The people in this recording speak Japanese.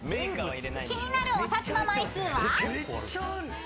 ［気になるお札の枚数は？］